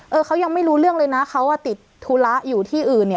เขายังไม่รู้เรื่องเลยนะเขาอ่ะติดธุระอยู่ที่อื่นเนี่ย